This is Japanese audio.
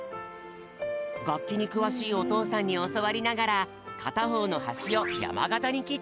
がっきにくわしいおとうさんにおそわりながらかたほうのはしをやまがたにきったよ。